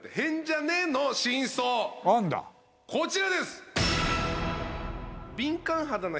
こちらです！